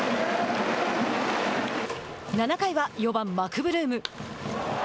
７回は４番、マクブルーム。